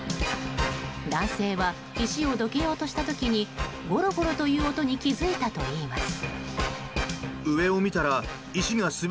男性は石をどけようとした時にゴロゴロという音に気付いたといいます。